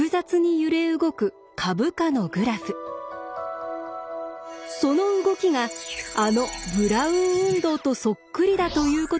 その動きがあのブラウン運動とそっくりだということに気付いたのです。